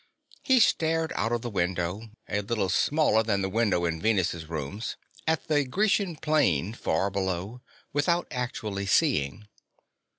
He stared out of the window, a little smaller than the window in Venus' rooms, at the Grecian plain far below, without actually seeing.